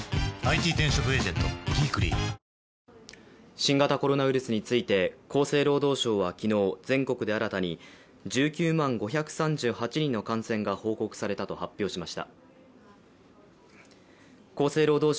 新型コロナウイルスについて、厚生労働省は昨日、全国で新たに１９万５３８人の感染が報告されたと発表しました。